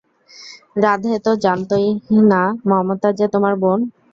রাধে তো জানতোই না মমতা যে তোমার বোন।